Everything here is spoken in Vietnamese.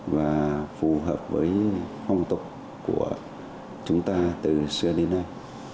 và phù hợp với phong tục của chúng ta từ xưa đến nay